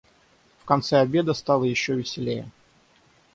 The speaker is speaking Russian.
В конце обеда стало еще веселее.